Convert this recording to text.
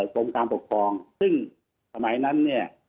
กรมการปกครองซึ่งสมัยนั้นเนี่ย